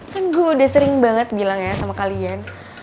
kan gue udah sering banget bilang ya sama kalian